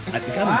eh di kamar